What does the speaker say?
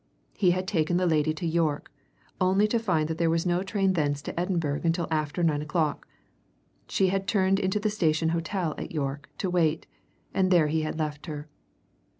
He had taken the lady to York only to find that there was no train thence to Edinburgh until after nine o'clock. So she had turned into the Station Hotel at York, to wait, and there he had left her.